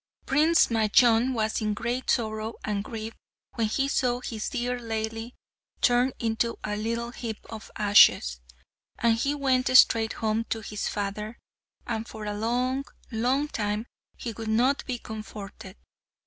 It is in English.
Prince Majnun was in great sorrow and grief when he saw his dear Laili turned into a little heap of ashes; and he went straight home to his father, and for a long, long time he would not be comforted.